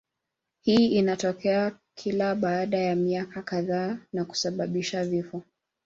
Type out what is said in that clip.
Hii inatokea kila baada ya miaka kadhaa na kusababisha vifo.